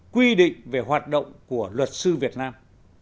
quy định về hoạt động của luật sư việt nam